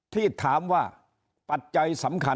ที่ถามว่าปัจจัยสำคัญ